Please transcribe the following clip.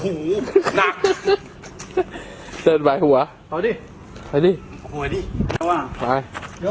หนักเจอใส่หัวเอาดิเอาดิหัวดิไป